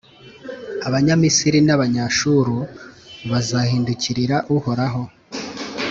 Abanyamisiri n’Abanyashuru bazahindukirira Uhoraho